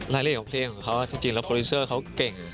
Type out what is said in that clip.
รายละเอียดของเพลงของเขาจริงแล้วโปรดิวเซอร์เขาเก่ง